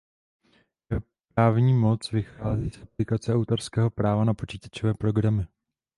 Jeho právní moc vychází z aplikace autorského práva na počítačové programy.